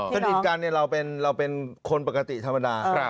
สนิทกันเราเป็นคนปกติธรรมดา